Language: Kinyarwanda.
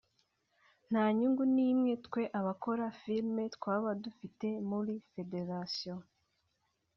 “nta nyungu n’imwe twe abakora filime twaba dufite muri federation